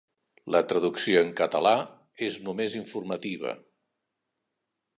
La traducció en català és només informativa.